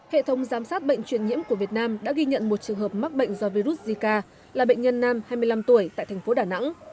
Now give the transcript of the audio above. hệ thống giám sát bệnh truyền nhiễm của việt nam đã ghi nhận một trường hợp mắc bệnh do virus zika là bệnh nhân nam hai mươi năm tuổi tại thành phố đà nẵng